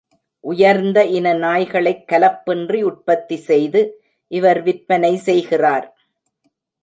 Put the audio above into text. உயர்ந்த இன நாய்களைக் கலப்பின்றி உற்பத்தி செய்து இவர் விற்பனை செய்கிறார்.